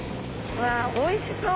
わおいしそう。